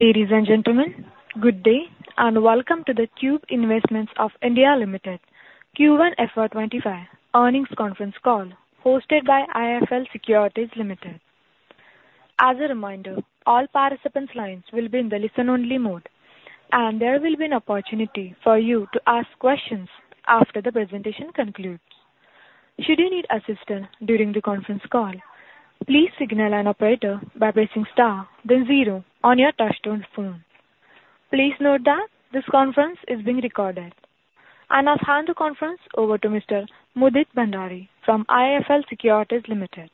Ladies and gentlemen, good day, and welcome to the Tube Investments of India Limited Q1 FY2025 earnings conference call, hosted by IIFL Securities Limited. As a reminder, all participants' lines will be in the listen-only mode, and there will be an opportunity for you to ask questions after the presentation concludes. Should you need assistance during the conference call, please signal an operator by pressing star then zero on your touchtone phone. Please note that this conference is being recorded. I'll hand the conference over to Mr. Mudit Bhandari from IIFL Securities Limited.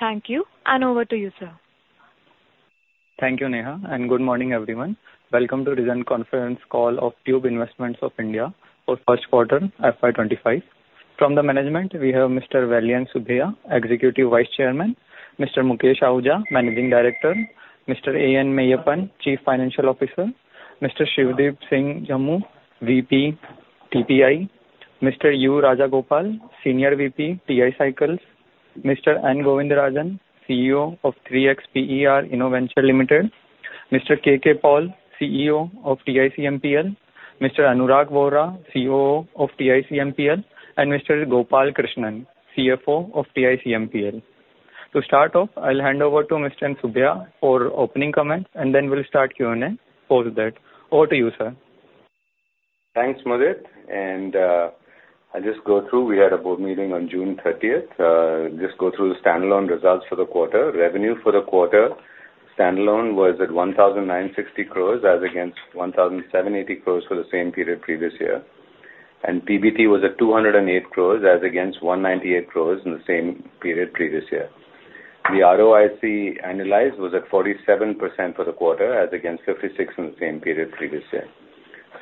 Thank you, and over to you, sir. Thank you, Neha, and good morning, everyone. Welcome to the earnings conference call of Tube Investments of India for first quarter FY 25. From the management, we have Mr. Vellayan Subbiah, Executive Vice Chairman, Mr. Mukesh Ahuja, Managing Director, Mr. A.N. Meyyappan, Chief Financial Officer, Mr. Sivadeep Singh Jammu, VP TPI, Mr. U. Rajagopal, Senior VP, TI Cycles, Mr. N. Govindarajan, CEO of 3xper Innoventure Limited, Mr. K.K. Paul, CEO of TICMPL, Mr. Anurag Vohra, CEO of TICMPL, and Mr. K. Gopalakrishnan, CFO of TICMPL. To start off, I'll hand over to Mr. Subbiah for opening comments, and then we'll start Q&A after that. Over to you, sir. Thanks, Mudit, and I'll just go through. We had a board meeting on June 30. Just go through the standalone results for the quarter. Revenue for the quarter, standalone, was at 1,960 crore as against 1,780 crore for the same period previous year, and PBT was at 208 crore as against 198 crore in the same period previous year. The ROIC annualized was at 47% for the quarter, as against 56% in the same period previous year.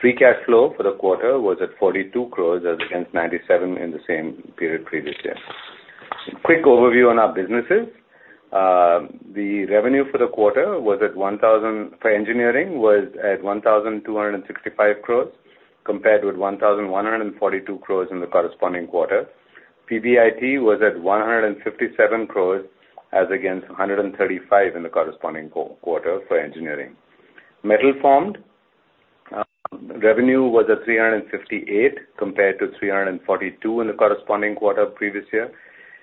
Free cash flow for the quarter was at 42 crore as against 97 crore in the same period previous year. Quick overview on our businesses. The revenue for the quarter was at one thousand, for engineering, was at 1,265 crore compared with 1,142 crore in the corresponding quarter. PBIT was at 157 crore, as against 135 crore in the corresponding quarter for engineering. Metal formed revenue was at 358 crore, compared to 342 crore in the corresponding quarter previous year,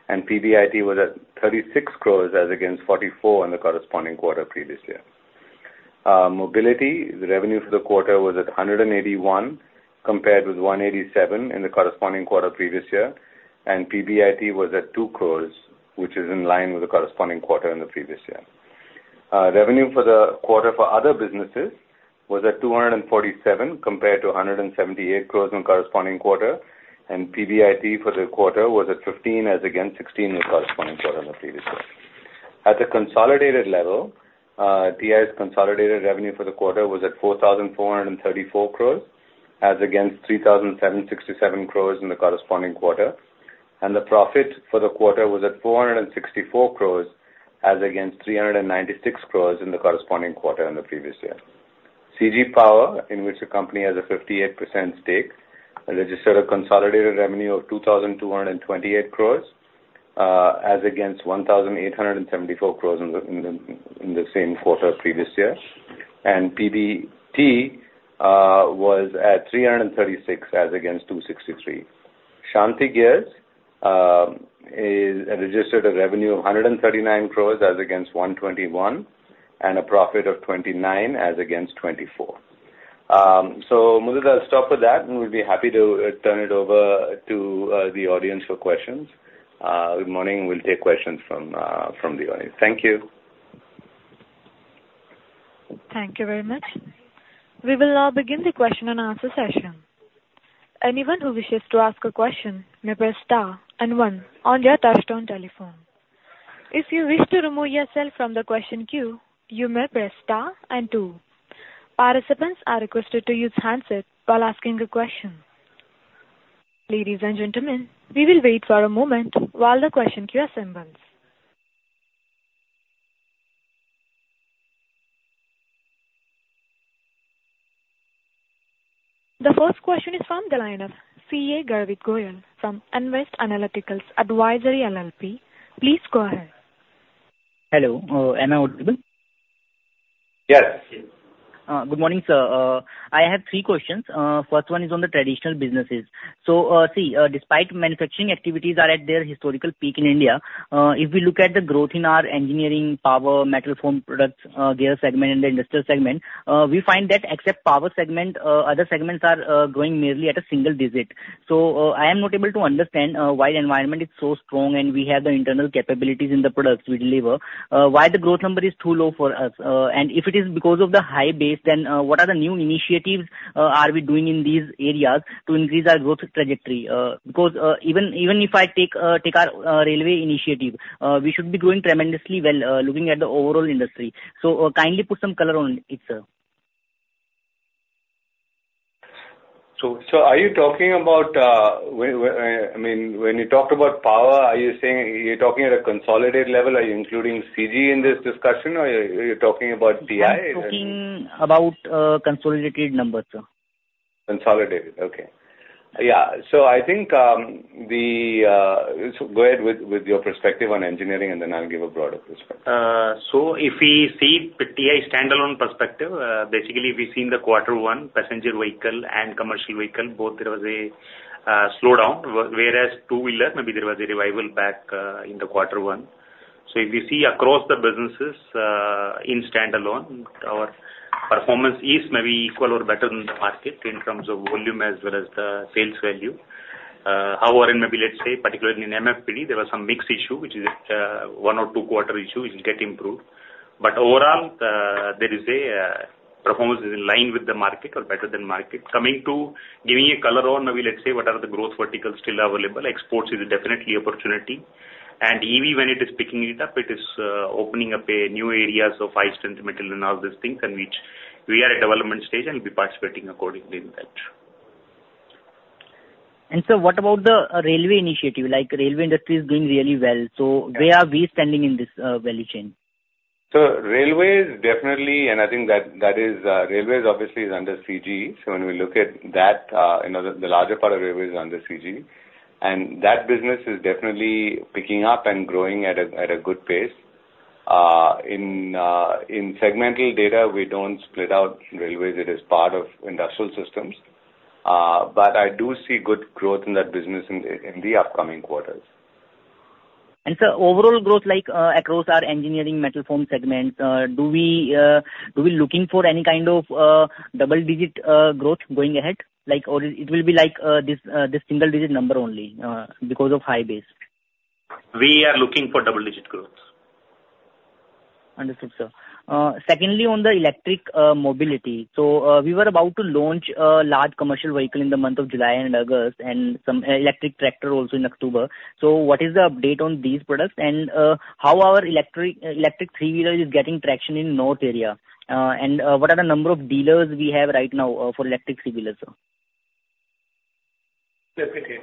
and PBIT was at 36 crore, as against 44 crore in the corresponding quarter previous year. Mobility, the revenue for the quarter was at 181 crore, compared with 187 crore in the corresponding quarter previous year, and PBIT was at 2 crore, which is in line with the corresponding quarter in the previous year. Revenue for the quarter for other businesses was at 247 crore, compared to 178 crore in corresponding quarter, and PBIT for the quarter was at 15 crore, as against 16 crore in the corresponding quarter in the previous year. At the consolidated level, TI's consolidated revenue for the quarter was at 4,434 crore, as against 3,767 crore in the corresponding quarter. The profit for the quarter was at 464 crore, as against 396 crore in the corresponding quarter in the previous year. CG Power, in which the company has a 58% stake, registered a consolidated revenue of 2,228 crore, as against 1,874 crore in the same quarter previous year, and PBT was at 336 crore, as against 263 crore. Shanthi Gears registered a revenue of 139 crore as against 121 crore, and a profit of 29 crore as against 24 crore. So Mudit, I'll stop with that, and we'll be happy to turn it over to the audience for questions. Good morning, we'll take questions from the audience. Thank you. Thank you very much. We will now begin the question and answer session. Anyone who wishes to ask a question may press star and one on their touchtone telephone. If you wish to remove yourself from the question queue, you may press star and two. Participants are requested to use handset while asking the question. Ladies and gentlemen, we will wait for a moment while the question queue assembles. The first question is from the line of CA Garvit Goyal from Nvest Analytics Advisory LLP. Please go ahead. Hello, am I audible? Yes. Good morning, sir. I have three questions. First one is on the traditional businesses. So, see, despite manufacturing activities are at their historical peak in India, if we look at the growth in our engineering, power, metal formed products, gear segment and the industrial segment, we find that except power segment, other segments are growing mainly at a single digit. So, I am not able to understand why the environment is so strong and we have the internal capabilities in the products we deliver, why the growth number is too low for us. And if it is because of the high base, then what are the new initiatives are we doing in these areas to increase our growth trajectory? Because, even if I take our railway initiative, we should be growing tremendously well, looking at the overall industry. So, kindly put some color on it, sir. Are you talking about, I mean, when you talked about power, are you saying you're talking at a consolidated level? Are you including CG in this discussion, or are you talking about TI? I'm talking about consolidated numbers, sir.... consolidated. Okay. Yeah, so I think, go ahead with your perspective on engineering, and then I'll give a broader perspective. So if we see TI standalone perspective, basically, we've seen the quarter one, passenger vehicle and commercial vehicle, both there was a slowdown, whereas two-wheeler, maybe there was a revival back, in the quarter one. So if you see across the businesses, in standalone, our performance is maybe equal or better than the market in terms of volume as well as the sales value. However, in maybe let's say, particularly in MFPD, there was some mix issue, which is one or two quarter issue, which will get improved. But overall, the performance is in line with the market or better than market. Coming to giving a color on, maybe let's say, what are the growth verticals still available, exports is definitely opportunity. EV, when it is picking it up, it is opening up a new areas of high-strength metal and all these things, and which we are at development stage and will be participating accordingly with that. Sir, what about the railway initiative? Like, railway industry is doing really well, so where are we standing in this value chain? So railway is definitely, and I think that, that is, railways obviously is under CG. So when we look at that, you know, the, the larger part of railway is under CG, and that business is definitely picking up and growing at a, at a good pace. In, in segmental data, we don't split out railways. It is part of industrial systems. But I do see good growth in that business in, in the upcoming quarters. Sir, overall growth like, across our engineering metal formed segment, do we looking for any kind of, double digit, growth going ahead? Like, or it will be like, this single digit number only, because of high base. We are looking for double-digit growth. Understood, sir. Secondly, on the electric mobility: so, we were about to launch a large commercial vehicle in the month of July and August, and some electric tractor also in October. So what is the update on these products? And, how our electric three-wheeler is getting traction in north area, and, what are the number of dealers we have right now, for electric three-wheeler, sir? Okay.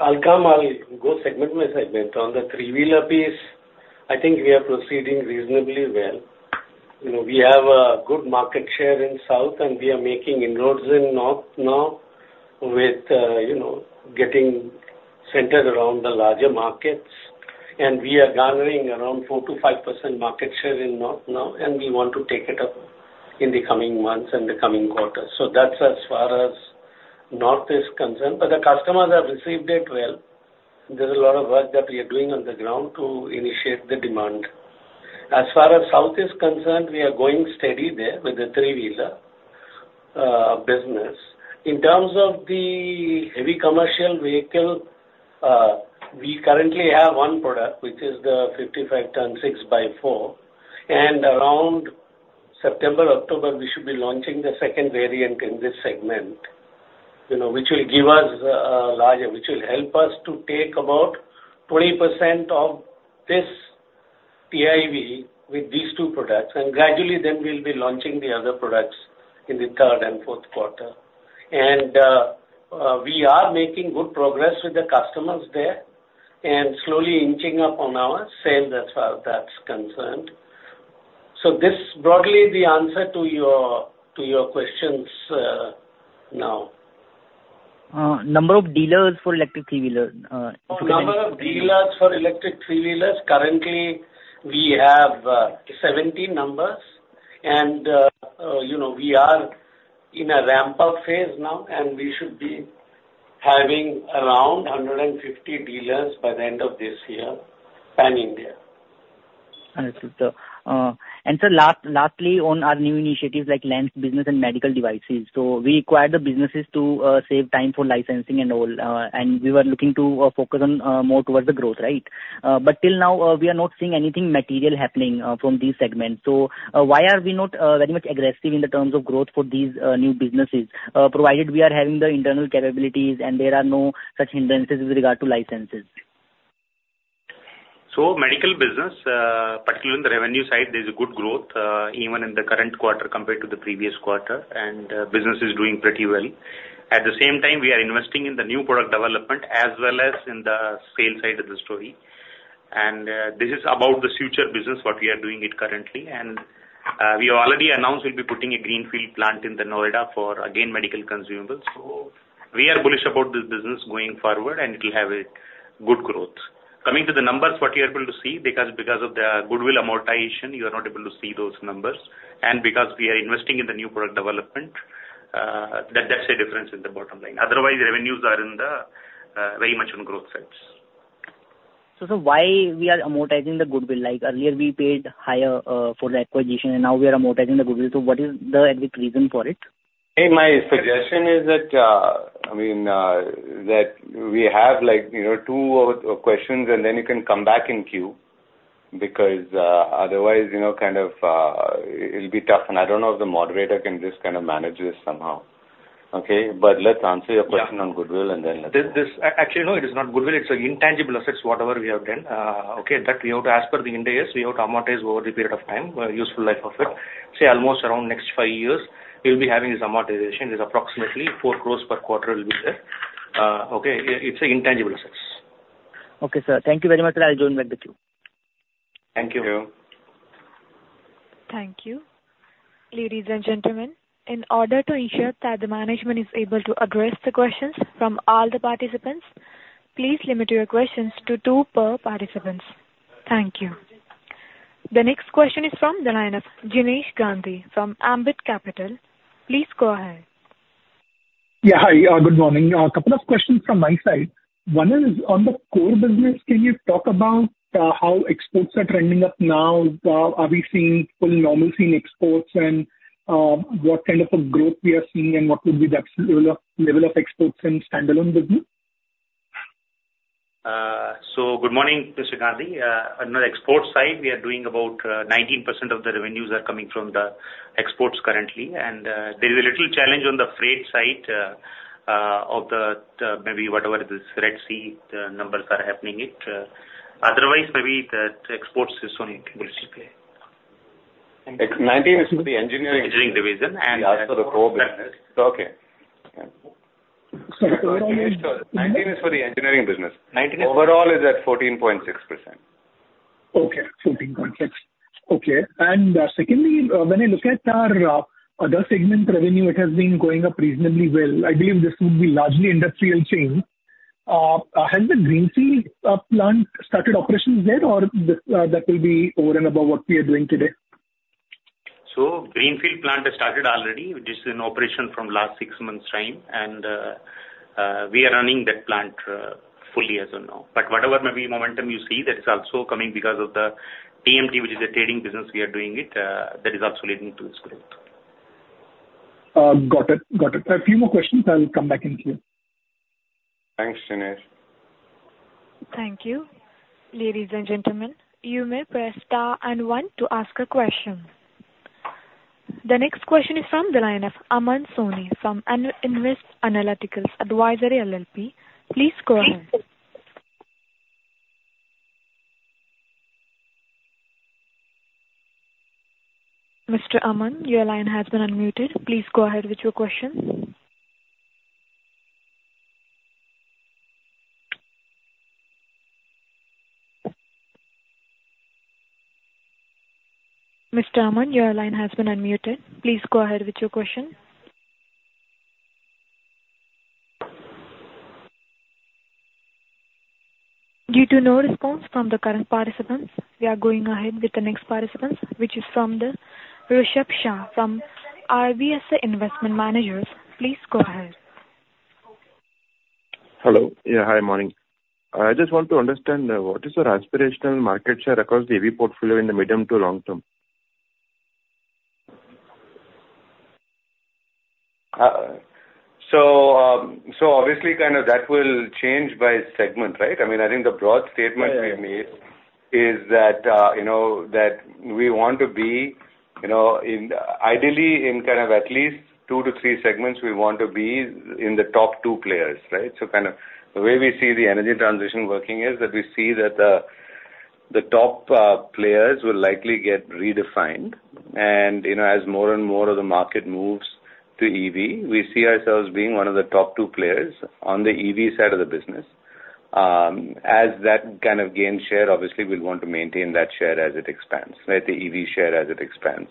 I'll come, I'll go segment by segment. On the three-wheeler piece, I think we are proceeding reasonably well. You know, we have a good market share in South, and we are making inroads in North now with, you know, getting centered around the larger markets. And we are garnering around 4%-5% market share in North now, and we want to take it up in the coming months and the coming quarters. So that's as far as North is concerned. But the customers have received it well. There's a lot of work that we are doing on the ground to initiate the demand. As far as South is concerned, we are going steady there with the three-wheeler business. In terms of the heavy commercial vehicle, we currently have one product, which is the 55-ton, 6x4, and around September, October, we should be launching the second variant in this segment, you know, which will give us, larger, which will help us to take about 20% of this TIV with these two products, and gradually then we'll be launching the other products in the third and fourth quarter. And, we are making good progress with the customers there and slowly inching up on our sales as far as that's concerned. So this broadly the answer to your, to your questions, now. Number of dealers for electric three-wheeler? Number of dealers for electric three-wheelers, currently, we have 17 numbers. And, you know, we are in a ramp-up phase now, and we should be having around 150 dealers by the end of this year, pan-India. Understood, sir. And sir, lastly, on our new initiatives like lens business and medical devices, so we acquired the businesses to save time for licensing and all, and we were looking to focus on more towards the growth, right? But till now, we are not seeing anything material happening from these segments. So, why are we not very much aggressive in the terms of growth for these new businesses, provided we are having the internal capabilities and there are no such hindrances with regard to licenses? So medical business, particularly on the revenue side, there's a good growth, even in the current quarter compared to the previous quarter, and, business is doing pretty well. At the same time, we are investing in the new product development as well as in the sales side of the story. And, this is about the future business, what we are doing it currently. And, we already announced we'll be putting a greenfield plant in Noida for, again, medical consumables. So we are bullish about this business going forward, and it will have a good growth. Coming to the numbers, what you're able to see, because of the goodwill amortization, you are not able to see those numbers, and because we are investing in the new product development, that's the difference in the bottom line. Otherwise, revenues are in the very much on growth sets. So, why we are amortizing the goodwill? Like, earlier, we paid higher for the acquisition, and now we are amortizing the goodwill. So what is the exact reason for it? Hey, my suggestion is that, I mean, that we have, like, you know, two or three questions, and then you can come back in the queue, because, otherwise, you know, kind of, it'll be tough, and I don't know if the moderator can just kind of manage this somehow. Okay, but let's answer your question on goodwill and then- Actually, no, it is not goodwill. It's intangible assets, whatever we have done, okay, that we have to, as per the Ind AS, we have to amortize over the period of time, useful life of it. Say, almost around next five years, we'll be having this amortization. It's approximately 4 crore per quarter will be there. Okay, it's an intangible asset. Okay, sir. Thank you very much, and I join back the queue. Thank you. Thank you. Thank you. Ladies and gentlemen, in order to ensure that the management is able to address the questions from all the participants, please limit your questions to two per participants. Thank you. The next question is from the line of Jinesh Gandhi from Ambit Capital. Please go ahead. Yeah, hi. Good morning. A couple of questions from my side. One is on the core business. Can you talk about how exports are trending up now? Are we seeing full normalcy in exports? And, what kind of a growth we are seeing, and what would be the level of, level of exports in standalone business? Good morning, Mr. Gandhi. On the export side, we are doing about 19% of the revenues are coming from the exports currently. There is a little challenge on the freight side of the maybe whatever this Red Sea numbers are happening it. Otherwise, maybe the exports is running basically. It's 19 for the engineering division and also the core business. Okay. 19 is for the engineering business. Nineteen- Overall is at 14.6%. Okay. 14.6. Okay. And, secondly, when I look at our other segment revenue, it has been going up reasonably well. I believe this would be largely industrial chain. Has the Greenfield plant started operations yet, or that will be over and above what we are doing today? So Greenfield plant has started already, which is in operation from last six months' time. And, we are running that plant, fully as of now. But whatever maybe momentum you see, that is also coming because of the TMT, which is a trading business we are doing it, that is also leading to this growth. Got it. Got it. A few more questions. I will come back in queue. Thanks, Jinesh. Thank you. Ladies and gentlemen, you may press star and one to ask a question. The next question is from the line of Aman Soni, from Nvest Analytics Advisory LLP. Please go ahead. Mr. Aman, your line has been unmuted. Please go ahead with your question. Mr. Aman, your line has been unmuted. Please go ahead with your question. Due to no response from the current participants, we are going ahead with the next participant, which is from Rishabh Shah, from RBSA Investment Managers. Please go ahead. Hello. Yeah, hi, morning. I just want to understand, what is your aspirational market share across the EV portfolio in the medium to long term? So, obviously, kind of that will change by segment, right? I mean, I think the broad statement- Yeah. We've made is that, you know, that we want to be, you know, in ideally in kind of at least two to three segments, we want to be in the top two players, right? So kind of the way we see the energy transition working is that we see that, the top, players will likely get redefined. And, you know, as more and more of the market moves to EV, we see ourselves being one of the top two players on the EV side of the business. As that kind of gains share, obviously, we'll want to maintain that share as it expands, right, the EV share as it expands.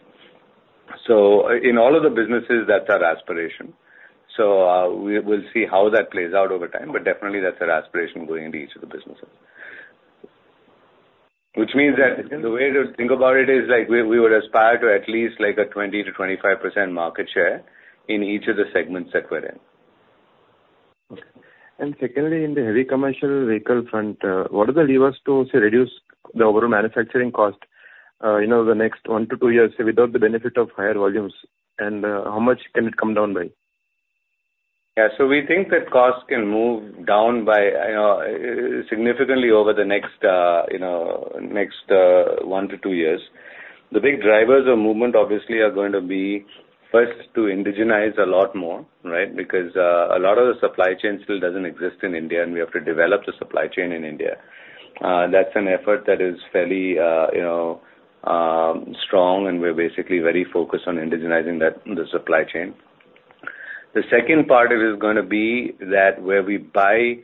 So in all of the businesses, that's our aspiration. So, we'll see how that plays out over time, but definitely that's our aspiration going into each of the businesses. Which means that the way to think about it is like we, we would aspire to at least like a 20%-25% market share in each of the segments that we're in. Okay. And secondly, in the heavy commercial vehicle front, what are the levers to, say, reduce the overall manufacturing cost, you know, the next 1-2 years without the benefit of higher volumes? And, how much can it come down by? Yeah. So we think that costs can move down by significantly over the next, you know, next 1-2 years. The big drivers of movement obviously are going to be first, to indigenize a lot more, right? Because a lot of the supply chain still doesn't exist in India, and we have to develop the supply chain in India. That's an effort that is fairly, you know, strong, and we're basically very focused on indigenizing that, the supply chain. The second part is gonna be that where we buy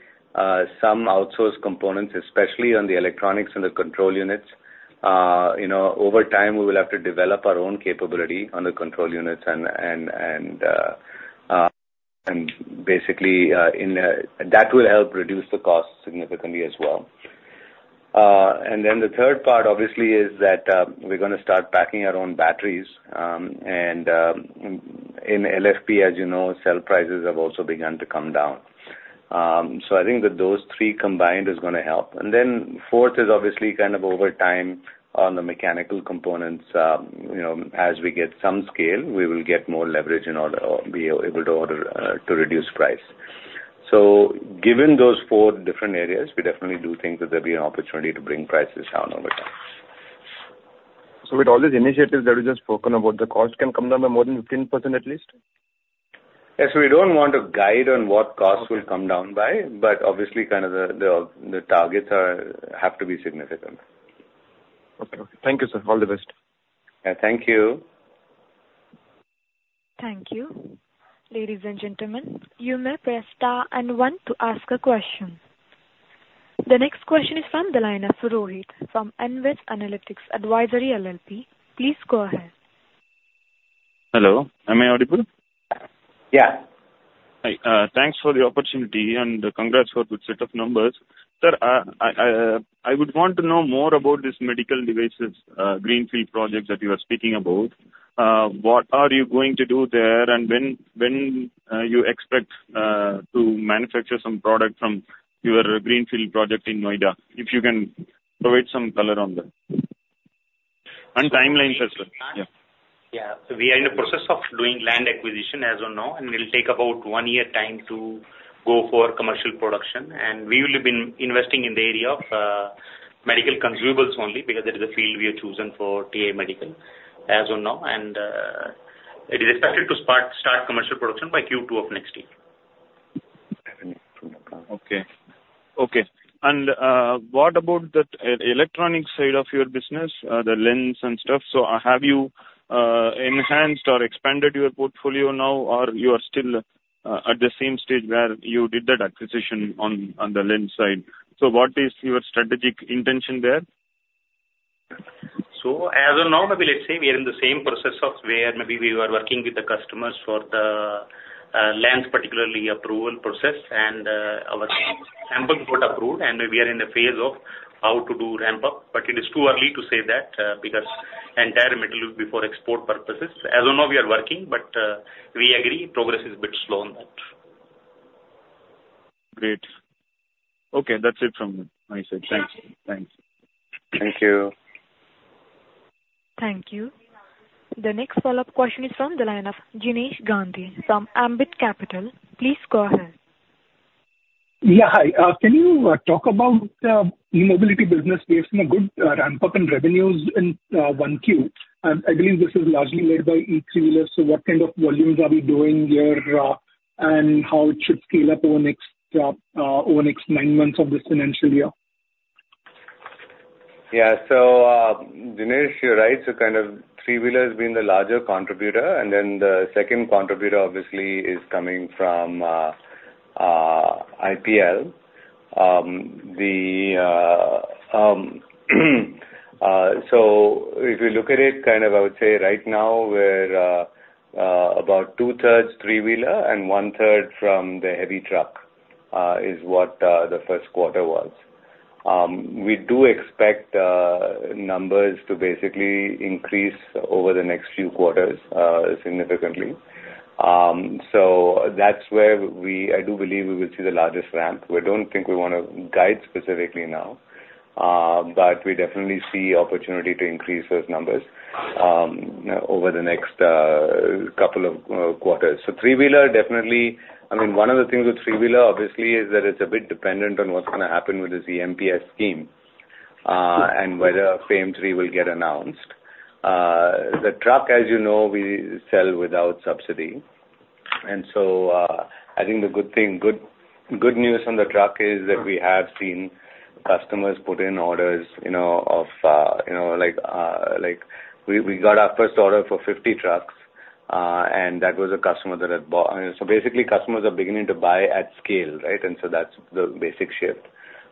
some outsourced components, especially on the electronics and the control units, you know, over time, we will have to develop our own capability on the control units and basically in a... That will help reduce the cost significantly as well. And then the third part obviously is that, we're gonna start packing our own batteries, and in LFP, as you know, cell prices have also begun to come down. So I think that those three combined is gonna help. And then fourth is obviously kind of over time on the mechanical components, you know, as we get some scale, we will get more leverage in order, be able to order, to reduce price. So given those four different areas, we definitely do think that there'll be an opportunity to bring prices down over time. With all these initiatives that you've just spoken about, the cost can come down by more than 15%, at least? Yes, we don't want to guide on what costs- Okay. will come down by, but obviously kind of the targets have to be significant. Okay. Thank you, sir. All the best. Yeah, thank you. ...Thank you. Ladies and gentlemen, you may press star and one to ask a question. The next question is from the line of Rohit, from Nvest Analytics Advisory LLP. Please go ahead. Hello, am I audible? Yeah. Hi, thanks for the opportunity and congrats for good set of numbers. Sir, I would want to know more about this medical devices greenfield project that you are speaking about. What are you going to do there, and when you expect to manufacture some product from your greenfield project in Noida? If you can provide some color on that. And timelines as well, yeah. Yeah. We are in the process of doing land acquisition, as you know, and it will take about one year time to go for commercial production. And we will be investing in the area of medical consumables only, because that is the field we have chosen for TI Medical, as of now. And it is expected to start commercial production by Q2 of next year. Okay. Okay. And, what about the electronics side of your business, the lens and stuff? So have you enhanced or expanded your portfolio now, or you are still at the same stage where you did that acquisition on the lens side? So what is your strategic intention there? As of now, maybe let's say we are in the same process of where maybe we were working with the customers for the lens, particularly approval process. Our sample got approved, and we are in the phase of how to do ramp-up. It is too early to say that, because entire material will be for export purposes. As of now, we are working, but we agree progress is a bit slow on that. Great. Okay, that's it from my side. Thanks. Thanks. Thank you. Thank you. The next follow-up question is from the line of Jinesh Gandhi from Ambit Capital. Please go ahead. Yeah, hi. Can you talk about the e-mobility business based on a good ramp-up in revenues in 1Q? And I believe this is largely led by e-3-wheeler, so what kind of volumes are we doing here, and how it should scale up over the next nine months of this financial year? Yeah. So, Jinesh, you're right, so kind of three-wheeler has been the larger contributor, and then the second contributor obviously is coming from IPL. So if you look at it, kind of I would say right now we're about two-thirds three-wheeler and one-third from the heavy truck is what the first quarter was. We do expect numbers to basically increase over the next few quarters significantly. So that's where we... I do believe we will see the largest ramp. We don't think we want to guide specifically now, but we definitely see opportunity to increase those numbers over the next couple of quarters. So three-wheeler, definitely, I mean, one of the things with three-wheeler, obviously, is that it's a bit dependent on what's gonna happen with the EMPS scheme, and whether FAME III will get announced. The truck, as you know, we sell without subsidy. And so, I think the good thing, good, good news on the truck is that we have seen customers put in orders, you know, of, you know, like, like, we, we got our first order for 50 trucks, and that was a customer that had bought. So basically, customers are beginning to buy at scale, right? And so that's the basic shift.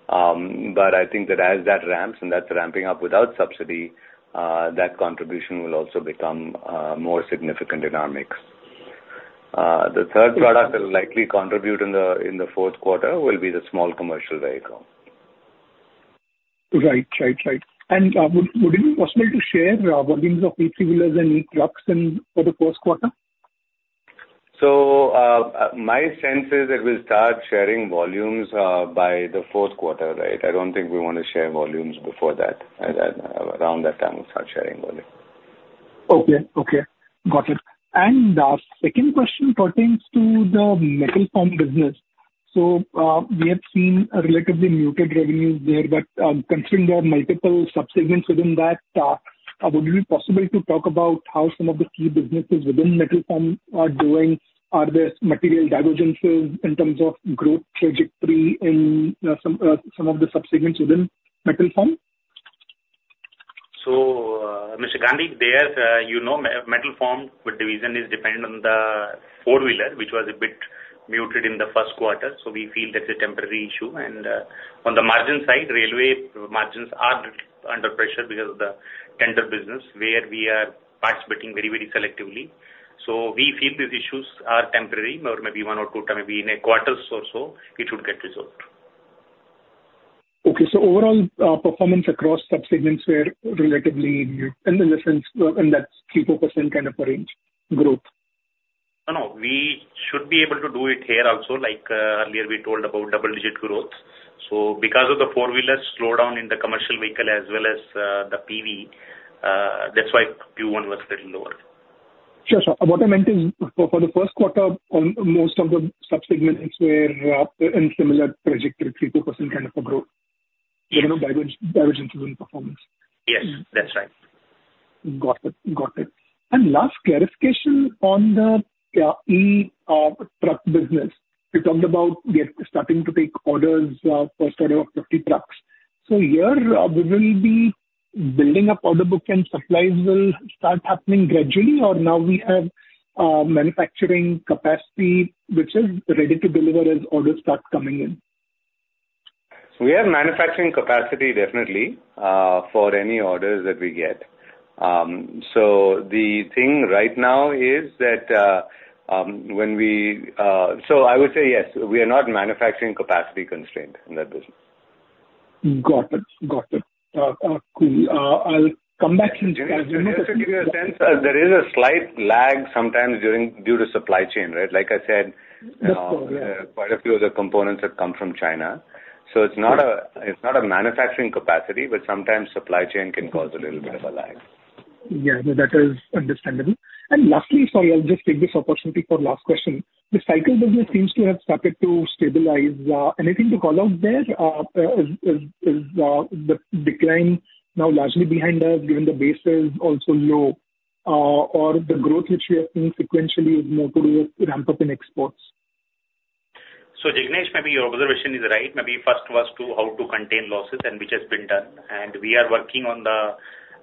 But I think that as that ramps, and that's ramping up without subsidy, that contribution will also become, more significant in our mix. The third product that will likely contribute in the fourth quarter will be the small commercial vehicle. Right. Right, right. And, would it be possible to share volumes of e-three-wheelers and e-trucks for the first quarter? So, my sense is that we'll start sharing volumes by the fourth quarter, right? I don't think we want to share volumes before that. At that, around that time, we'll start sharing volume. Okay. Okay, got it. And the second question pertains to the metal form business. So, we have seen a relatively muted revenues there, but, considering there are multiple subsegments within that, would it be possible to talk about how some of the key businesses within metal form are doing? Are there material divergences in terms of growth trajectory in some of the subsegments within metal form? So, Mr. Gandhi, there, you know, metal formed division is dependent on the four-wheeler, which was a bit muted in the first quarter, so we feel that's a temporary issue. On the margin side, railway margins are under pressure because of the tender business, where we are participating very, very selectively. So we feel these issues are temporary, or maybe one or two time, maybe in a quarter or so, it should get resolved. Okay. So overall, performance across subsegments were relatively in the sense, in that 3%-4% kind of a range growth? No, no, we should be able to do it here also, like, earlier we told about double-digit growth. So because of the four-wheeler slowdown in the commercial vehicle as well as, the PV, that's why Q1 was a little lower. Sure, sir. What I meant is, for the first quarter, most of the sub-segments were in similar trajectory, 3%-4% kind of a growth. You know, divergence in performance. Yes, that's right. Got it, got it. And last clarification on the truck business. You talked about we are starting to take orders, first order of 50 trucks.... So here, we will be building up order book and supplies will start happening gradually, or now we have manufacturing capacity which is ready to deliver as orders start coming in? We have manufacturing capacity definitely for any orders that we get. So the thing right now is that. So I would say yes, we are not manufacturing capacity constrained in that business. Got it. Got it. Cool. I'll come back to you- Just to give you a sense, there is a slight lag sometimes due to supply chain, right? Like I said- Yes, sure. Yeah. Quite a few of the components have come from China. So it's not a manufacturing capacity, but sometimes supply chain can cause a little bit of a lag. Yeah, no, that is understandable. Lastly, sorry, I'll just take this opportunity for last question. The cycle business seems to have started to stabilize. Anything to call out there? Is the decline now largely behind us, given the base is also low? Or the growth which we have seen sequentially is more to do with ramp up in exports? Jinesh, maybe your observation is right. Maybe first was to how to contain losses and which has been done, and we are working on the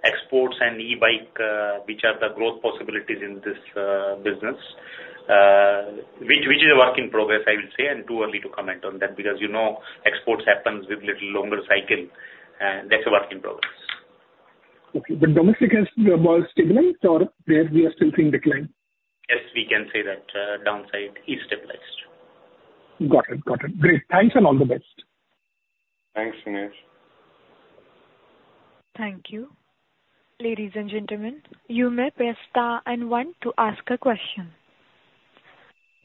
exports and e-bike, which are the growth possibilities in this business, which is a work in progress, I will say, and too early to comment on that. Because, you know, exports happens with little longer cycle, and that's a work in progress. Okay. But domestic has more stabilized or there we are still seeing decline? Yes, we can say that, downside is stabilized. Got it. Got it. Great. Thanks, and all the best. Thanks, Jinesh. Thank you. Ladies and gentlemen, you may press star and one to ask a question.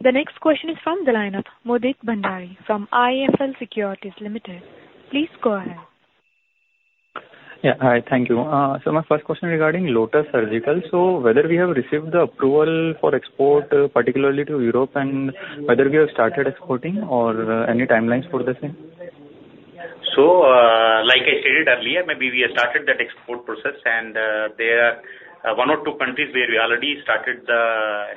The next question is from the line of Mudit Bhandari from IIFL Securities Limited. Please go ahead. Yeah, hi. Thank you. So my first question regarding Lotus Surgicals. So whether we have received the approval for export, particularly to Europe, and whether we have started exporting or any timelines for the same? So, like I stated earlier, maybe we have started that export process and there are one or two countries where we already started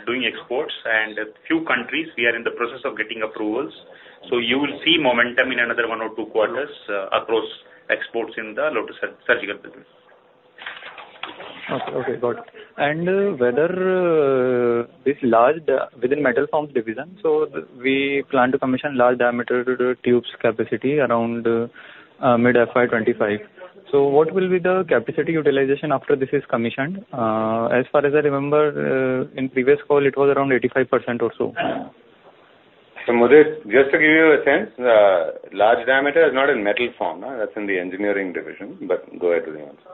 doing exports, and a few countries we are in the process of getting approvals. So you will see momentum in another one or two quarters across exports in the Lotus Surgical business. Okay, okay, got it. Whether this large within metal formed products division, so we plan to commission large diameter tubes capacity around mid-FY 2025. So what will be the capacity utilization after this is commissioned? As far as I remember, in previous call, it was around 85% or so. So Mudit, just to give you a sense, large diameter is not in metal formed, that's in the engineering division, but go ahead with the answer.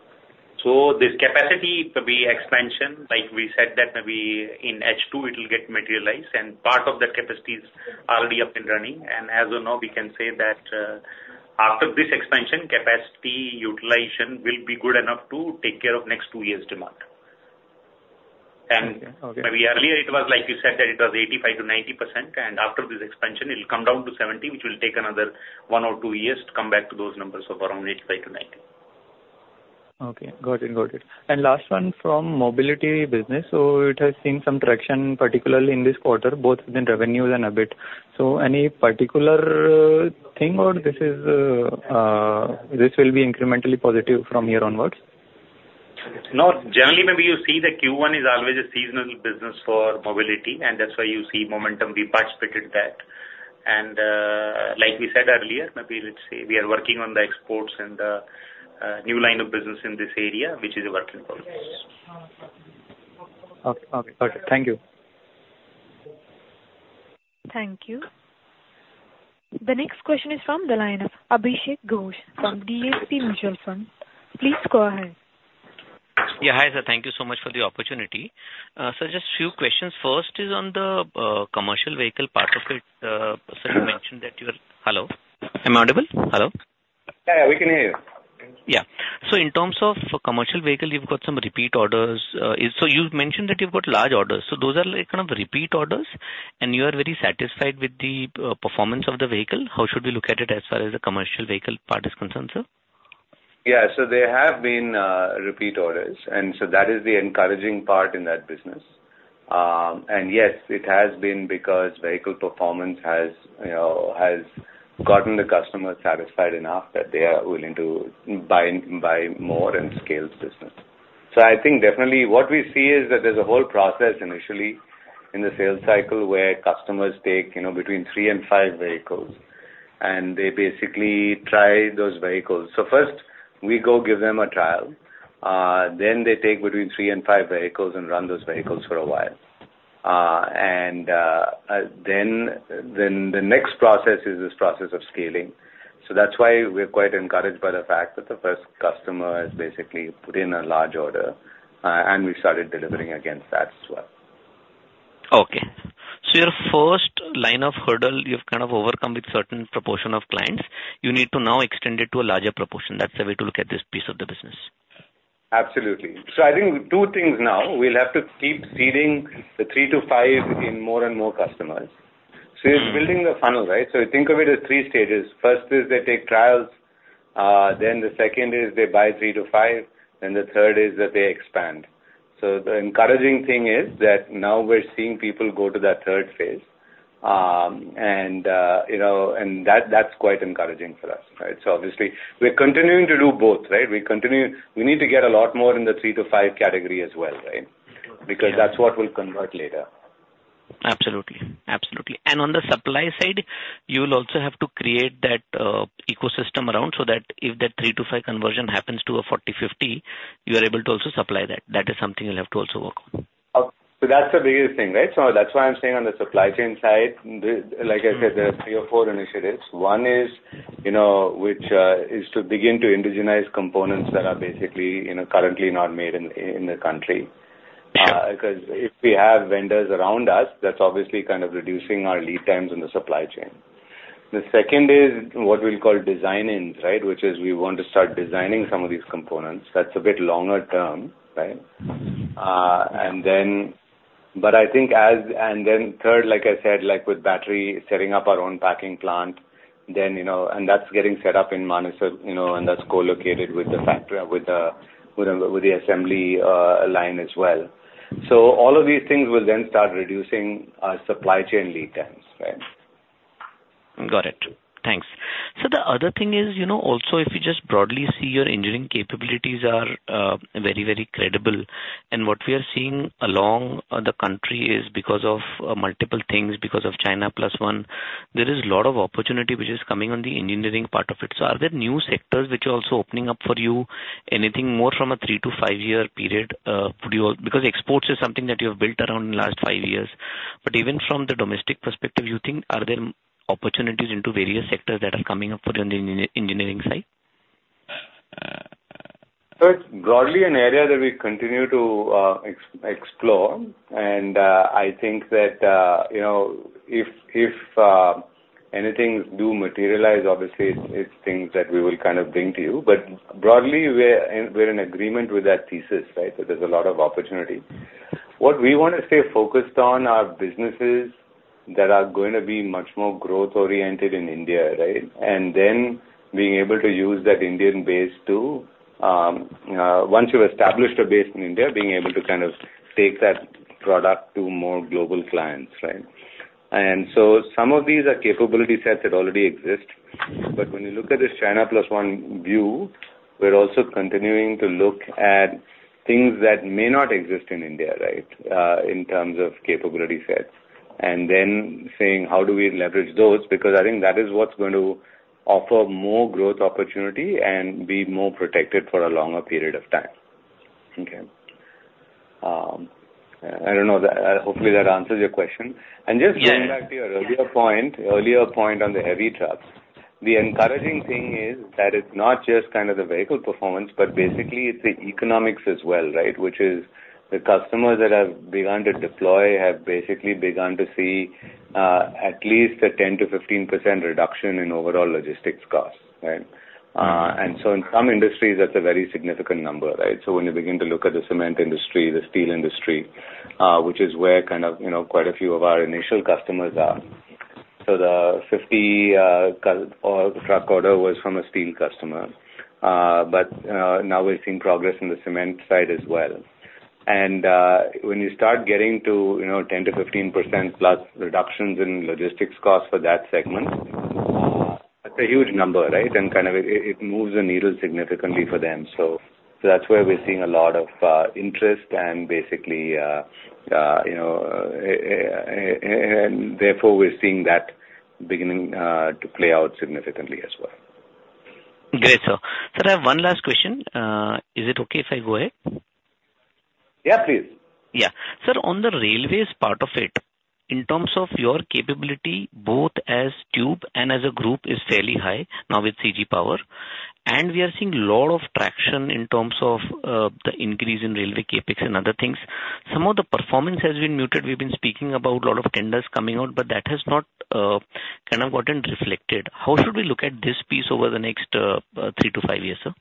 This capacity, maybe expansion, like we said, that maybe in H2 it will get materialized, and part of that capacity is already up and running. As of now, we can say that, after this expansion, capacity utilization will be good enough to take care of next two years' demand. Okay. Maybe earlier it was like you said, that it was 85%-90%, and after this expansion it will come down to 70%, which will take another 1 or 2 years to come back to those numbers of around 85%-90%. Okay, got it. Got it. And last one from mobility business. So it has seen some traction, particularly in this quarter, both in revenues and EBIT. So any particular thing, or this will be incrementally positive from here onwards? No. Generally, maybe you see that Q1 is always a seasonal business for mobility, and that's why you see momentum. We participated that. And, like we said earlier, maybe let's say we are working on the exports and new line of business in this area, which is a work in progress. Okay, got it. Thank you. Thank you. The next question is from the line of Abhishek Ghosh from DSP Mutual Fund. Please go ahead. Yeah. Hi, sir. Thank you so much for the opportunity. So just few questions. First is on the, commercial vehicle part of it. So you mentioned that you are... Hello, am I audible? Hello. Yeah, we can hear you. Yeah. So in terms of commercial vehicle, you've got some repeat orders. So you've mentioned that you've got large orders, so those are like kind of repeat orders, and you are very satisfied with the, performance of the vehicle? How should we look at it as far as the commercial vehicle part is concerned, sir? Yeah. So there have been, repeat orders, and so that is the encouraging part in that business. And yes, it has been because vehicle performance has, you know, has gotten the customer satisfied enough that they are willing to buy, buy more and scale this business. So I think definitely what we see is that there's a whole process initially in the sales cycle, where customers take, you know, between three and five vehicles, and they basically try those vehicles. So first, we go give them a trial, then they take between three and five vehicles and run those vehicles for a while. And then the next process is this process of scaling. So that's why we're quite encouraged by the fact that the first customer has basically put in a large order, and we started delivering against that as well. Okay. So your first line of hurdle, you've kind of overcome with certain proportion of clients. You need to now extend it to a larger proportion. That's the way to look at this piece of the business? Absolutely. So I think two things now, we'll have to keep seeding the 3-5 in more and more customers. So it's building the funnel, right? So think of it as three stages. First is they take trials, then the second is they buy 3-5, then the third is that they expand. So the encouraging thing is that now we're seeing people go to that third phase. You know, and that, that's quite encouraging for us, right? So obviously, we're continuing to do both, right? We need to get a lot more in the 3-5 category as well, right? Because that's what will convert later. Absolutely. Absolutely. On the supply side, you'll also have to create that ecosystem around, so that if that 3-5 conversion happens to a 40, 50, you are able to also supply that. That is something you'll have to also work on. So that's the biggest thing, right? So that's why I'm saying on the supply chain side, like I said, there are three or four initiatives. One is, you know, which is to begin to indigenize components that are basically, you know, currently not made in the country. Because if we have vendors around us, that's obviously kind of reducing our lead times in the supply chain. The second is what we'll call design ins, right? Which is we want to start designing some of these components. That's a bit longer term, right? Mm-hmm. But I think, and then third, like I said, like with battery, setting up our own packing plant, then, you know, and that's getting set up in Manesar, you know, and that's co-located with the factory, with the assembly line as well. So all of these things will then start reducing our supply chain lead times, right? Got it. Thanks. So the other thing is, you know, also, if you just broadly see your engineering capabilities are very, very credible, and what we are seeing along the country is because of multiple things, because of China plus one, there is a lot of opportunity which is coming on the engineering part of it. So are there new sectors which are also opening up for you? Anything more from a three to five-year period for you? Because exports is something that you have built around the last five years. But even from the domestic perspective, you think, are there opportunities into various sectors that are coming up for you on the engineering side? So it's broadly an area that we continue to explore. And I think that you know, if, if anything do materialize, obviously it's, it's things that we will kind of bring to you. But broadly, we're in, we're in agreement with that thesis, right? That there's a lot of opportunity. What we wanna stay focused on are businesses that are going to be much more growth oriented in India, right? And then being able to use that Indian base to, once you've established a base in India, being able to kind of take that product to more global clients, right? And so some of these are capability sets that already exist. But when you look at this China plus one view, we're also continuing to look at things that may not exist in India, right, in terms of capability sets, and then saying, how do we leverage those? Because I think that is what's going to offer more growth opportunity and be more protected for a longer period of time. Okay. I don't know. Hopefully, that answers your question. Yes. Just going back to your earlier point, earlier point on the heavy trucks, the encouraging thing is that it's not just kind of the vehicle performance, but basically it's the economics as well, right? Which is the customers that have begun to deploy, have basically begun to see, at least a 10%-15% reduction in overall logistics costs, right? Mm-hmm. And so in some industries, that's a very significant number, right? So when you begin to look at the cement industry, the steel industry, which is where kind of, you know, quite a few of our initial customers are. So the 50 truck order was from a steel customer. But now we're seeing progress in the cement side as well. And when you start getting to, you know, 10%-15% plus reductions in logistics costs for that segment, that's a huge number, right? And kind of it moves the needle significantly for them. So that's where we're seeing a lot of interest and basically, you know, and therefore, we're seeing that beginning to play out significantly as well. Great, sir. Sir, I have one last question. Is it okay if I go ahead? Yeah, please. Yeah. Sir, on the railways part of it, in terms of your capability, both as tube and as a group, is fairly high now with CG Power, and we are seeing a lot of traction in terms of the increase in railway CapEx and other things. Some of the performance has been muted. We've been speaking about a lot of tenders coming out, but that has not kind of gotten reflected. How should we look at this piece over the next three to five years, sir?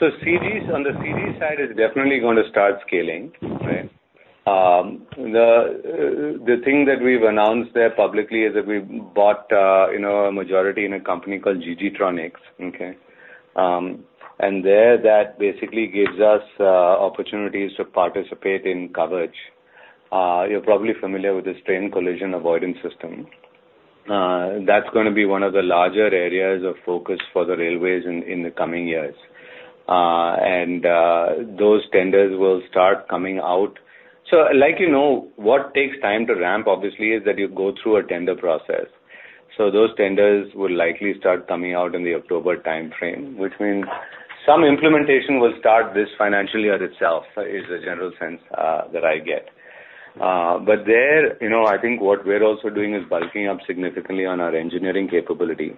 So CG's, on the CG side, is definitely going to start scaling, right? The thing that we've announced there publicly is that we've bought, you know, a majority in a company called GG Tronics, okay? And there, that basically gives us opportunities to participate in Kavach. You're probably familiar with this train collision avoidance system. That's gonna be one of the larger areas of focus for the railways in the coming years. And those tenders will start coming out. So like you know, what takes time to ramp, obviously, is that you go through a tender process. So those tenders will likely start coming out in the October timeframe, which means some implementation will start this financial year itself, is the general sense that I get. But there, you know, I think what we're also doing is bulking up significantly on our engineering capability.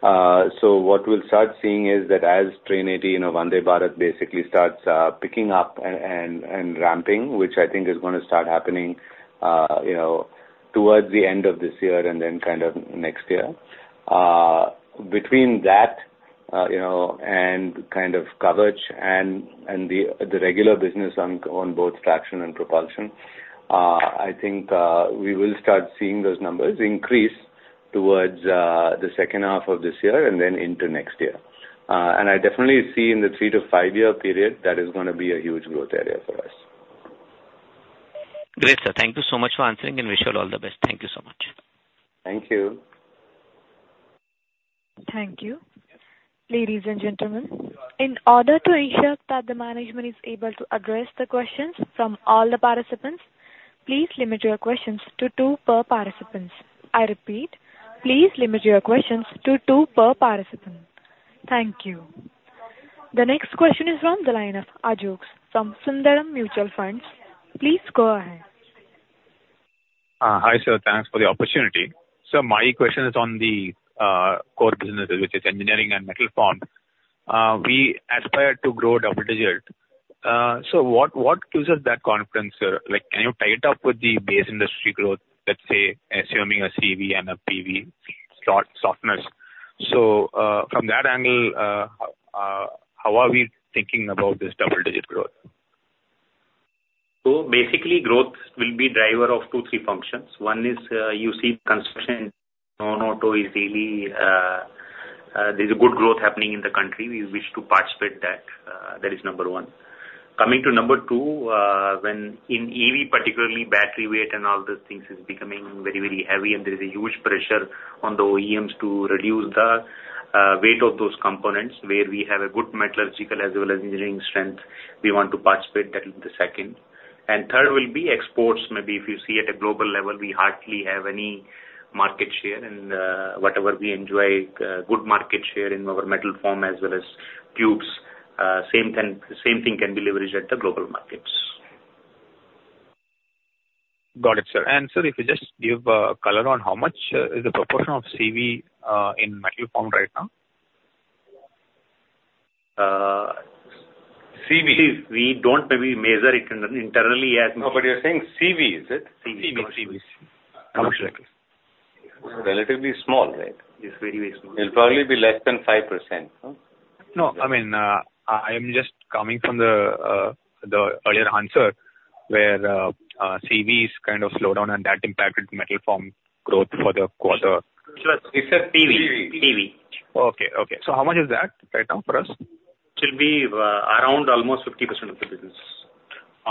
So what we'll start seeing is that as Train 18 or Vande Bharat basically starts picking up and ramping, which I think is gonna start happening, you know, towards the end of this year and then kind of next year. Between that, you know, and kind of Kavach and the regular business on both traction and propulsion, I think we will start seeing those numbers increase towards the second half of this year and then into next year. And I definitely see in the three- to five-year period, that is gonna be a huge growth area for us. Great, sir. Thank you so much for answering, and wish you all the best. Thank you so much. Thank you. Thank you. Ladies and gentlemen, in order to ensure that the management is able to address the questions from all the participants, please limit your questions to two per participants. I repeat, please limit your questions to two per participant. Thank you. The next question is from the line of Ashok from Sundaram Mutual Funds. Please go ahead. Hi, sir. Thanks for the opportunity. So my question is on the core businesses, which is engineering and metal form. We aspire to grow double digit. So what, what gives us that confidence, sir? Like, can you tie it up with the base industry growth, let's say, assuming a CV and a PV slot softness? So, from that angle, how are we thinking about this double-digit growth? So basically, growth will be driver of two, three functions. One is, you see, construction, non-auto is really, there's a good growth happening in the country. We wish to participate that, that is number one. Coming to number two, when in EV, particularly battery weight and all those things, is becoming very, very heavy, and there is a huge pressure on the OEMs to reduce the weight of those components, where we have a good metallurgical as well as engineering strength, we want to participate. That will be the second. And third will be exports. Maybe if you see at a global level, we hardly have any market share, and whatever we enjoy, good market share in our metal formed as well as tubes, same thing can be leveraged at the global markets. Got it, sir. Sir, if you just give color on how much is the proportion of CV in metal form right now? CV, we don't maybe measure it internally as- No, but you're saying CV, is it? CV, commercial. Relatively small, right? It's very, very small. It'll probably be less than 5%, huh? No, I mean, I am just coming from the earlier answer, where CVs kind of slowed down and that impacted metal formed growth for the quarter. He said PV. PV. Okay. Okay. So how much is that right now for us? Should be, around almost 50% of the business.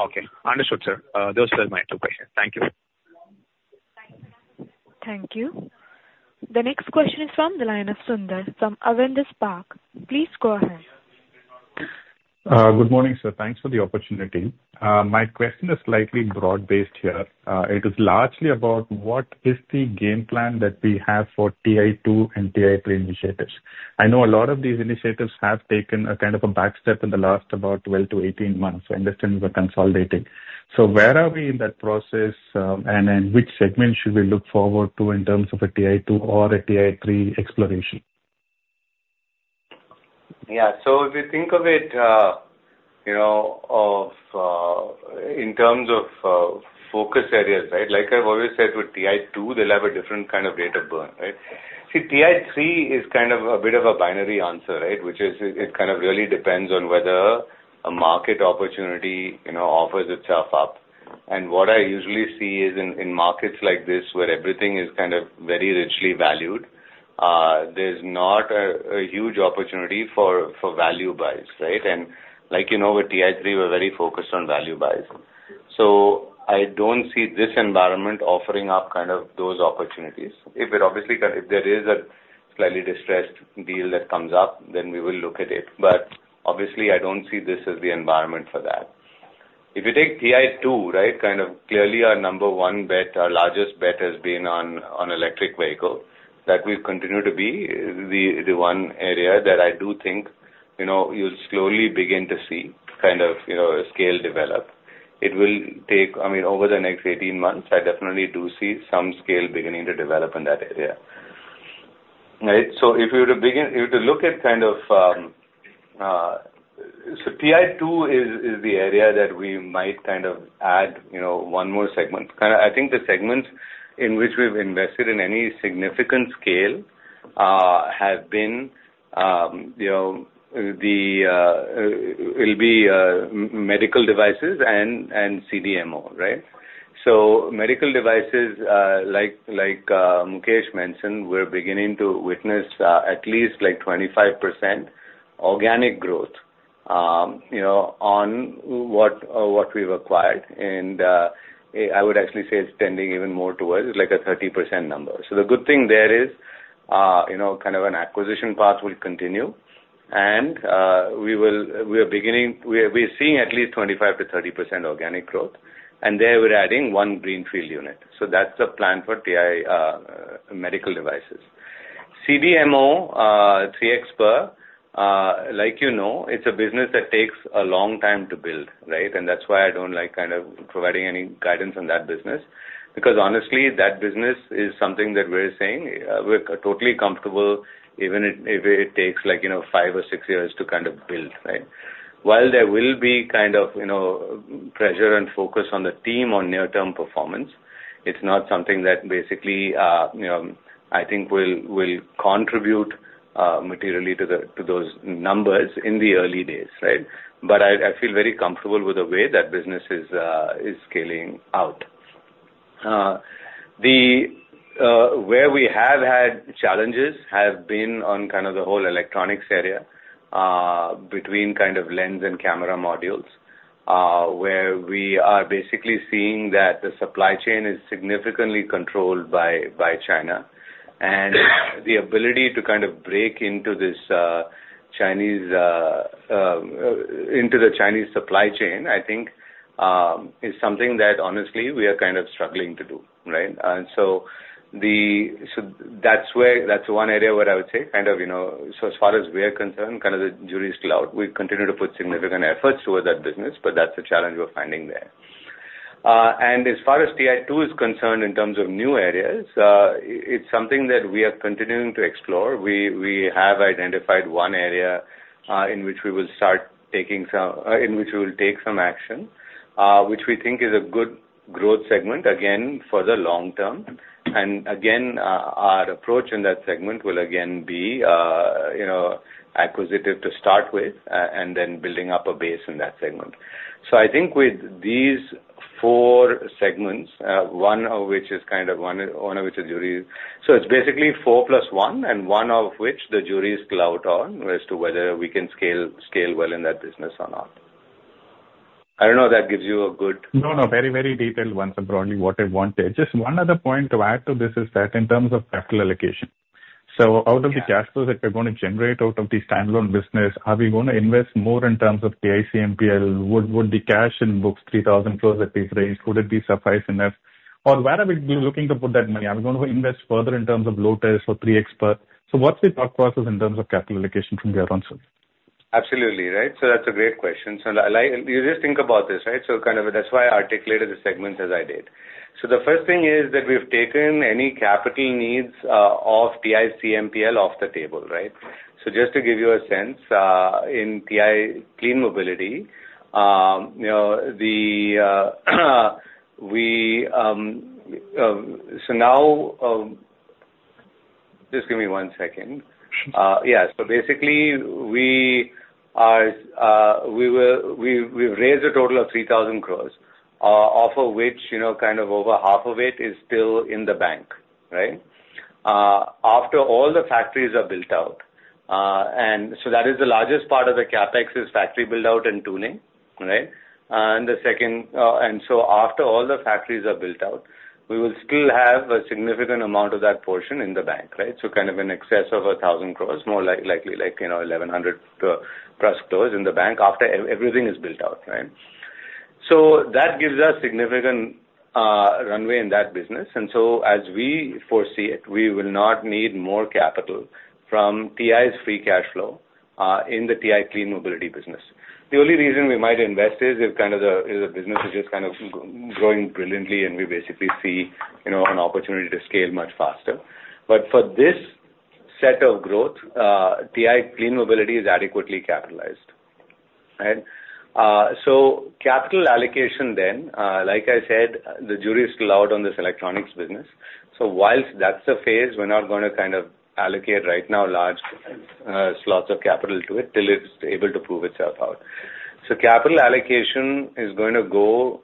Okay. Understood, sir. Those were my two questions. Thank you. Thank you. The next question is from the line of Sundar, from Avendus Spark. Please go ahead. Good morning, sir. Thanks for the opportunity. My question is slightly broad-based here. It is largely about what is the game plan that we have for TI-2 and TI-3 initiatives. I know a lot of these initiatives have taken a kind of a backstep in the last about 12-18 months. I understand we're consolidating. So where are we in that process, and which segment should we look forward to in terms of a TI-2 or a TI-3 exploration? Yeah. So if you think of it, you know, of, in terms of, focus areas, right? Like I've always said, with TI-2, they'll have a different kind of rate of burn, right? See, TI-3 is kind of a bit of a binary answer, right? Which is, it kind of really depends on whether a market opportunity, you know, offers itself up. And what I usually see is in, in markets like this, where everything is kind of very richly valued, there's not a huge opportunity for value buys, right? And like, you know, with TI-3, we're very focused on value buys. So I don't see this environment offering up kind of those opportunities. If it obviously, if there is a slightly distressed deal that comes up, then we will look at it. But obviously, I don't see this as the environment for that. If you take TI-2, right, kind of clearly our number one bet, our largest bet, has been on electric vehicle. That will continue to be the one area that I do think, you know, you'll slowly begin to see kind of, you know, a scale develop. It will take. I mean, over the next 18 months, I definitely do see some scale beginning to develop in that area. Right. So if you were to look at kind of, so TI-2 is the area that we might kind of add, you know, one more segment. Kind of, I think the segments in which we've invested in any significant scale have been, you know, the will be medical devices and CDMO, right? So medical devices, like, Mukesh mentioned, we're beginning to witness at least like 25% organic growth, you know, on what we've acquired. And I would actually say it's tending even more towards like a 30% number. So the good thing there is, you know, kind of an acquisition path will continue, and we are seeing at least 25%-30% organic growth, and there we're adding one greenfield unit. So that's the plan for TI medical devices. CDMO, 3xper, like you know, it's a business that takes a long time to build, right? And that's why I don't like kind of providing any guidance on that business, because honestly, that business is something that we're saying, we're totally comfortable, even if it takes like, you know, five or six years to kind of build, right? While there will be kind of, you know, pressure and focus on the team on near-term performance, it's not something that basically, you know, I think will contribute materially to the, to those numbers in the early days, right? But I feel very comfortable with the way that business is scaling out. The where we have had challenges has been on kind of the whole electronics area, between kind of lens and camera modules, where we are basically seeing that the supply chain is significantly controlled by China. The ability to kind of break into the Chinese supply chain, I think, is something that honestly, we are kind of struggling to do, right? So that's one area where I would say kind of, you know, so as far as we're concerned, kind of the jury is still out. We continue to put significant efforts towards that business, but that's a challenge we're finding there. And as far as TII is concerned in terms of new areas, it's something that we are continuing to explore. We have identified one area in which we will take some action, which we think is a good growth segment, again, for the long term. And again, our approach in that segment will again be, you know, acquisitive to start with, and then building up a base in that segment. So I think with these four segments, one of which is kind of, one of which the jury... So it's basically four plus one, and one of which the jury is still out on as to whether we can scale well in that business or not. I don't know if that gives you a good- No, no, very, very detailed one, Subbiah, what I wanted. Just one other point to add to this is that in terms of capital allocation. So out of the cash flows that we're going to generate out of the standalone business, are we going to invest more in terms of TI CMPL? Would, would the cash in books, 3,000 crore at this range, would it be suffice enough? Or where are we looking to put that money? Are we going to invest further in terms of Lotus or 3xper? So what's the thought process in terms of capital allocation from there on, sir? Absolutely, right. So that's a great question. So like, you just think about this, right? So kind of that's why I articulated the segments as I did. So the first thing is that we've taken any capital needs off TI CMPL off the table, right? So just to give you a sense, in TI Clean Mobility, you know, the, we... So now, just give me one second. Yeah, so basically we are, we will, we, we've raised a total of 3,000 crore, of which, you know, kind of over half of it is still in the bank, right? After all the factories are built out, and so that is the largest part of the CapEx, is factory build-out and tuning, right? And the second, and so after all the factories are built out, we will still have a significant amount of that portion in the bank, right? So kind of in excess of 1,000 crores, more like, likely, like, you know, 1,100+ crores in the bank after everything is built out, right? So that gives us significant runway in that business. And so as we foresee it, we will not need more capital from TI's Free Cash Flow in the TI Clean Mobility business. The only reason we might invest is if kind of the, if the business is just kind of growing brilliantly and we basically see, you know, an opportunity to scale much faster. But for this set of growth, TI Clean Mobility is adequately capitalized, right? So capital allocation then, like I said, the jury is still out on this electronics business. So whilst that's the phase, we're not gonna kind of allocate right now large slugs of capital to it till it's able to prove itself out. So capital allocation is going to go,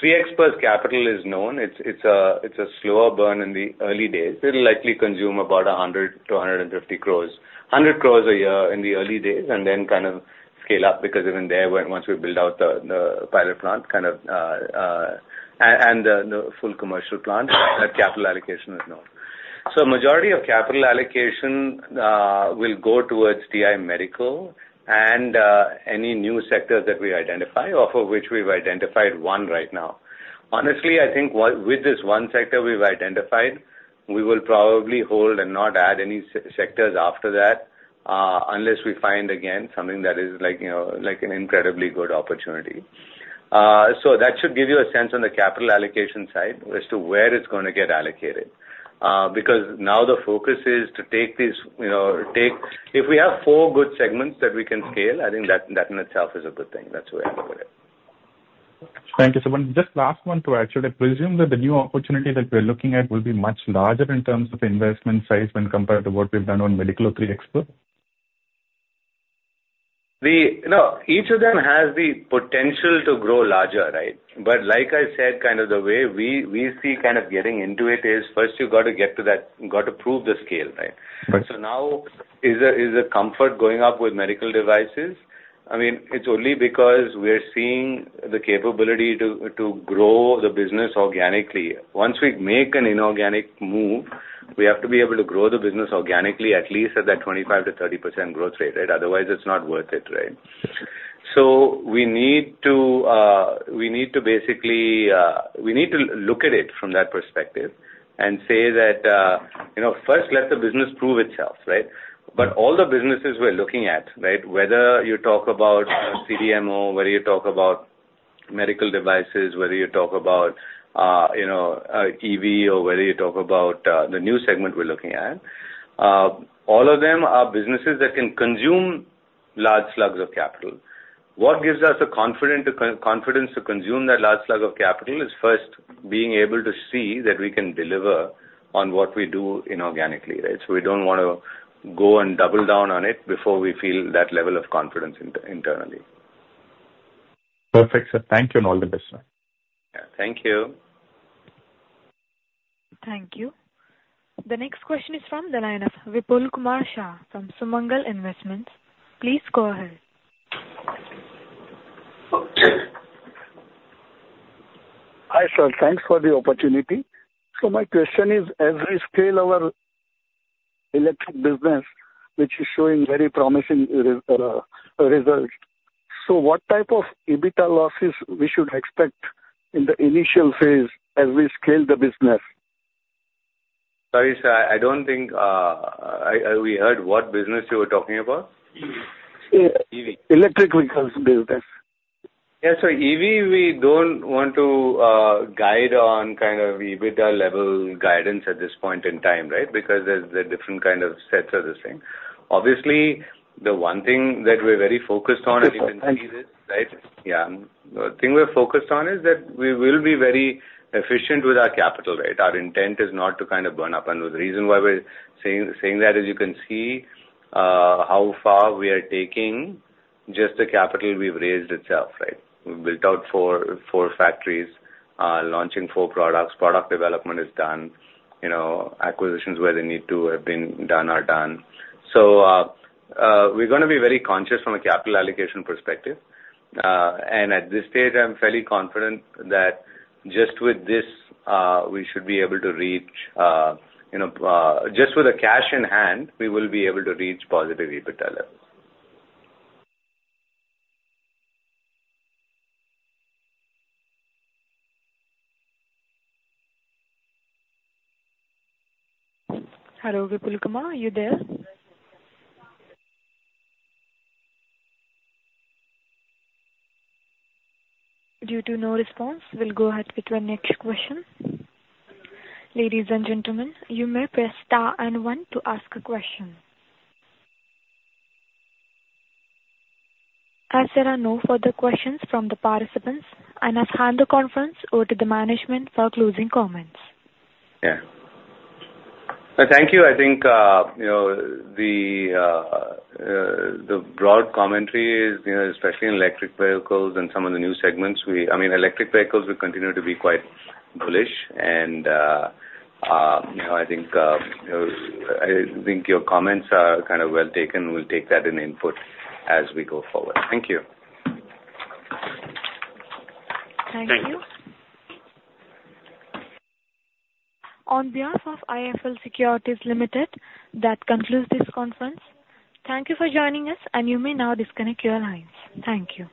3xper's capital is known. It's a slower burn in the early days. It'll likely consume about 100-150 crores. 100 crores a year in the early days, and then kind of scale up, because even there, once we build out the pilot plant, kind of, and the full commercial plant, that capital allocation is known. So majority of capital allocation will go towards TI Medical and any new sectors that we identify, of which we've identified one right now. Honestly, I think with this one sector we've identified, we will probably hold and not add any sectors after that, unless we find, again, something that is like, you know, like an incredibly good opportunity. So that should give you a sense on the capital allocation side as to where it's gonna get allocated. Because now the focus is to take these, you know. If we have four good segments that we can scale, I think that, that in itself is a good thing. That's the way I look at it. Thank you, Subbiah. Just last one to add, should I presume that the new opportunity that we're looking at will be much larger in terms of investment size when compared to what we've done on medical or 3xper? You know, each of them has the potential to grow larger, right? But like I said, kind of the way we see kind of getting into it is, first, you've got to get to that, you've got to prove the scale, right? Right. So now, is the comfort going up with medical devices? I mean, it's only because we are seeing the capability to grow the business organically. Once we make an inorganic move, we have to be able to grow the business organically, at least at that 25%-30% growth rate, right? Otherwise, it's not worth it, right? So we need to basically look at it from that perspective and say that, you know, first, let the business prove itself, right? But all the businesses we're looking at, right, whether you talk about CDMO, whether you talk about medical devices, whether you talk about, you know, EV, or whether you talk about the new segment we're looking at, all of them are businesses that can consume large slugs of capital. What gives us the confidence to consume that large slug of capital is first being able to see that we can deliver on what we do inorganically, right? So we don't want to go and double down on it before we feel that level of confidence internally. Perfect, sir. Thank you, and all the best sir. Yeah, thank you. Thank you. The next question is from the line of Vipul Kumar Shah from Sumangal Investments. Please go ahead. Hi, sir. Thanks for the opportunity. So my question is: as we scale our electric business, which is showing very promising results, so what type of EBITDA losses we should expect in the initial phase as we scale the business? Sorry, sir, I don't think we heard what business you were talking about. EV. EV. Electric vehicles business. Yeah, so EV, we don't want to guide on kind of EBITDA level guidance at this point in time, right? Because there's the different kind of sets of this thing. Obviously, the one thing that we're very focused on, and you can see this, right? Yeah. Yeah. The thing we're focused on is that we will be very efficient with our capital, right? Our intent is not to kind of burn up. The reason why we're saying that is you can see how far we are taking just the capital we've raised itself, right? We've built out four factories, launching four products. Product development is done, you know, acquisitions where they need to have been done are done. So, we're gonna be very conscious from a capital allocation perspective. And at this stage, I'm fairly confident that just with this, we should be able to reach, you know, just with the cash in hand, we will be able to reach positive EBITDA levels. Hello, Vipul Kumar, are you there? Due to no response, we'll go ahead with the next question. Ladies and gentlemen, you may press star and one to ask a question. As there are no further questions from the participants, I now hand the conference over to the management for closing comments. Yeah. Thank you. I think, you know, the broad commentary is, you know, especially in electric vehicles and some of the new segments, I mean, electric vehicles will continue to be quite bullish. And, you know, I think, I think your comments are kind of well taken. We'll take that in input as we go forward. Thank you. Thank you. On behalf of IIFL Securities Limited, that concludes this conference. Thank you for joining us, and you may now disconnect your lines. Thank you.